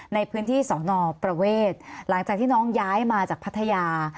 ในพื้นที่สอนอประเวทหลังจากที่น้องย้ายมาจากพัทยา